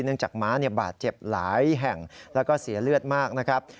จากม้าบาดเจ็บหลายแห่งแล้วก็เสียเลือดมากนะครับ